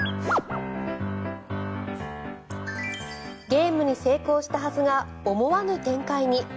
ゲームに成功したはずが思わぬ展開に。